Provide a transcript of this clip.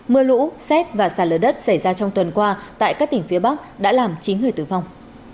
mưa lũ xét và xả lở đất xảy ra trong tuần qua tại các tỉnh phía bắc đã làm chín người tử vong